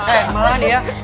eh malah nih ya